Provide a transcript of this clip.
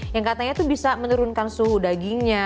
yang katanya itu bisa menurunkan suhu dagingnya